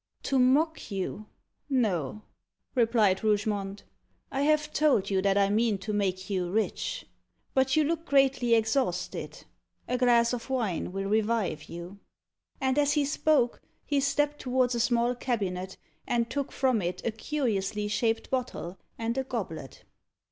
"To mock you no," replied Rougemont. "I have told you that I mean to make you rich. But you look greatly exhausted. A glass of wine will revive you." And as he spoke, he stepped towards a small cabinet, and took from it a curiously shaped bottle and a goblet.